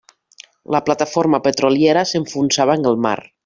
La plataforma petroliera s'enfonsava en el mar.